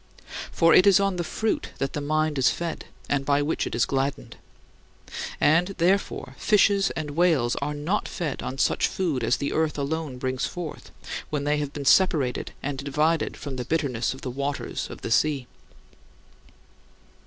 For it is on the "fruit" that the mind is fed, and by which it is gladdened. And, therefore, fishes and whales are not fed on such food as the earth alone brings forth when they have been separated and divided from the bitterness of "the waters" of the sea.